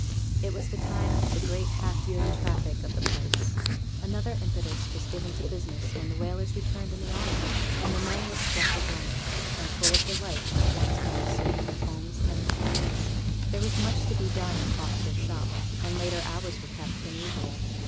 It was the time of the great half yearly traffic of the place; another impetus was given to business when the whalers returned in the autumn, and the men were flush of money, and full of delight at once more seeing their homes and their friends. There was much to be done in Fosters' shop, and later hours were kept than usual.